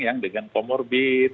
yang dengan comorbid